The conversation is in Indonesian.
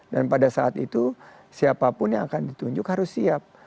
dan pada saat itu siapapun yang akan ditunjuk harus siap